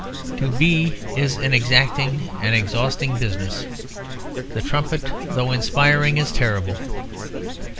To be is an exacting and exhausting business; the trumpet though inspiring is terrible.